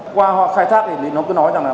qua khai thác thì nó cứ nói rằng là